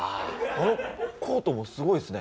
あのコートもすごいですね